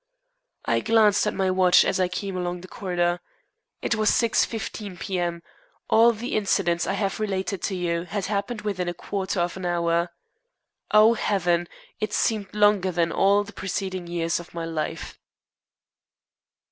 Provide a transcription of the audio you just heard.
I glanced at my watch as I came along the corridor. It was 6.15 P.M. All the incidents I have related to you had happened within a quarter of an hour. Oh, heaven! it seemed longer than all the preceding years of my life.